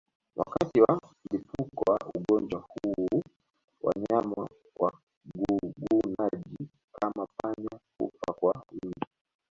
Wakati wa mlipuko wa ugonjwa huu wanyama wagugunaji kama panya hufa kwa wingi